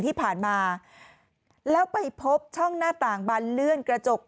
ที่ผ่านมาแล้วไปพบช่องหน้าต่างบานเลื่อนกระจก